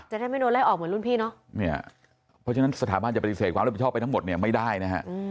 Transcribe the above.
เพราะฉะนั้นสถาบัติจะปฏิเสธความน่าผิดชอบไปทั้งหมดเนี่ยไม่ได้นะฮะ